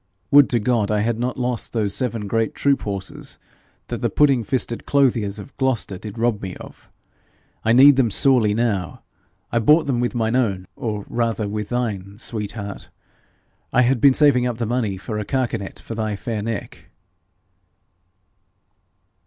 Would to God I had not lost those seven great troop horses that the pudding fisted clothiers of Gloucester did rob me of! I need them sorely now. I bought them with mine own or rather with thine, sweet heart. I had been saving up the money for a carcanet for thy fair neck.'